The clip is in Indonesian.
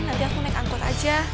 nanti aku naik angkot aja